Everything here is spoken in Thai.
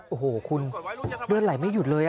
โอ้โหคุณเลือดไหลไม่หยุดเลย